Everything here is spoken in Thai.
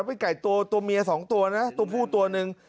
พี่ไก่ตัวตัวเมียสองตัวนะตัวผู้ตัวหนึ่ง